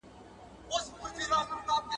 چاري و سوې، چي پاته ناچاري سوې.